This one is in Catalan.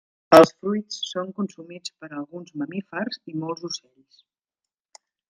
Els fruits són consumits per alguns mamífers i molts ocells.